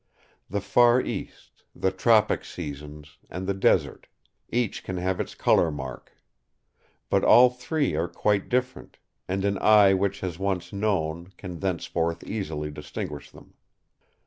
The Far East, the Tropic Seasons, and the Desert—each can have its colour mark. But all three are quite different; and an eye which has once known, can thenceforth easily distinguish them.